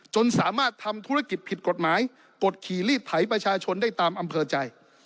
จนสามารถทำธุรกิจผิดกฎหมายกดขี่รีดไถประชาชนได้ตามอำเภอใจ